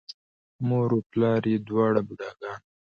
مور و پلار یې دواړه بوډاګان وو،